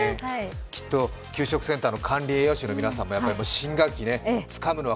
きっと給食センターの管理栄養士の皆さんも、きっとつかむなら